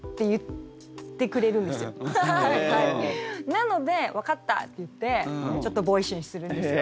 なので「分かった」って言ってちょっとボーイッシュにするんですよ。